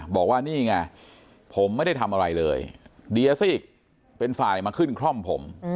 บอกว่านี่ง่ะผมไม่ได้ทำอะไรเลยเเดี๋ยสนิทเป็นไฟล์มาขึ้นคร่อมผม